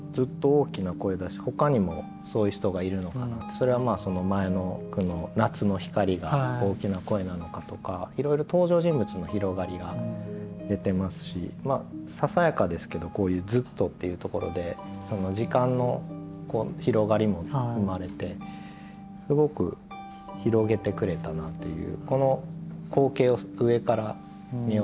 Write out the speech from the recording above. それは前の句の「夏の光」が「おおきなこえ」なのかとかいろいろささやかですけどこういう「ずっと」っていうところで時間の広がりも生まれてすごく広げてくれたなという。